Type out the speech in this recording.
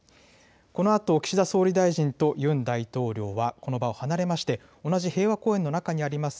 このあと、岸田総理大臣とユン大統領はこの場を離れまして、同じ平和公園の中にあります